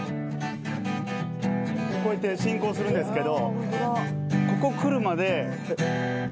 こうやって進行するんですけどここくるまで。